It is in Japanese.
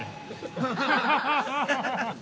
ハハハハ◆